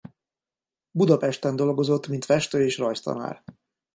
Budapesten dolgozott mint festő és rajztanár.